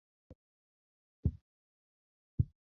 Ripoti ya Utafiti ya Wageni wa Kimataifa